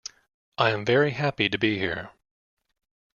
I am very happy to be here.